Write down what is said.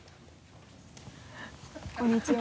こんにちは。